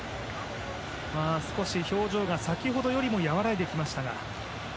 少し表情が先ほどよりも和らいできましたが。